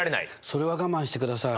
それは我慢してください。